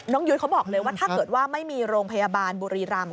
ยุ้ยเขาบอกเลยว่าถ้าเกิดว่าไม่มีโรงพยาบาลบุรีรำ